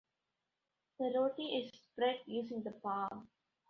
The roti is spread using the palm.